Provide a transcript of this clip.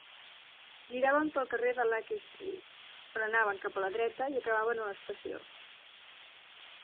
Giraven pel carrer de Lackey Street, on anaven cap a la dreta i acabaven a l'estació.